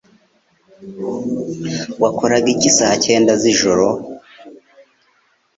Wakoraga iki saa cyenda z'ijoro